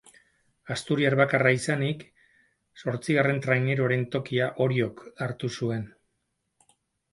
Asturiar bakarra izanik zortzigarren traineruaren tokia Oriok hartu zuen.